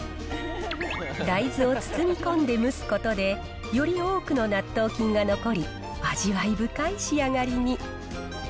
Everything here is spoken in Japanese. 大豆を包み込んで蒸すことで、より多くの納豆菌が残り、味わい深い仕上がりに。